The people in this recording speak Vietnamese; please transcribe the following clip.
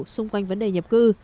xung quanh vấn đề nhập cư